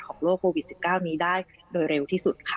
โรคโควิด๑๙นี้ได้โดยเร็วที่สุดค่ะ